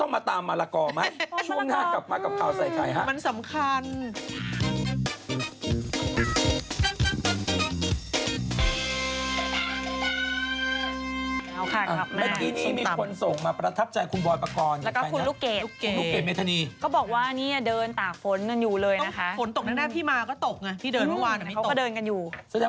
แบตก็ส่งมาประทับใจคุณบอลประกออนและเค้าพูดจากมีเมธานีก็บอกว่านี่เดินตากฝนอยู่เลยนะคะผลตกได้พี่มาก็ตกก็เดินกันอยู่